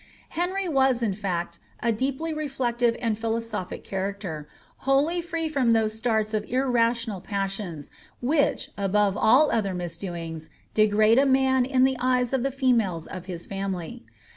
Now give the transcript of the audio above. Heniy WIS, in fiict, a deraly reflective and philosophic character, wholly free from those starts of irrational passions which, above all other misdoings^ degrade a man in the eyes of^ the females of his family.